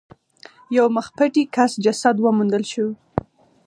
یو مخ پټي کس جسد وموندل شو.